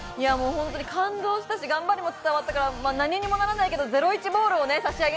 本当に感動したし頑張りも伝わったから何にもならないけどゼロイチボールを差し上げたい。